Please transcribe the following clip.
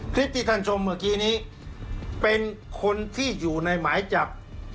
คลิปที่ท่านชมเมื่อกี้นี้เป็นคนที่อยู่ในหมายจับ